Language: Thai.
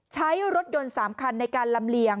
ใช้รถยนต์๓คันในการลำเลียง